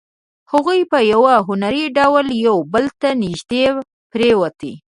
هغوی په یو هنري ډول یو بل ته نږدې پرېوتې